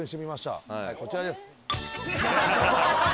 こちらです。